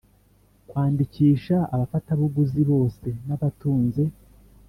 Kwandikisha abafatabuguzi bose n abatunze